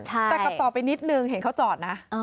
แต่ขับต่อไปนิดนึงเห็นเขาจอดนะ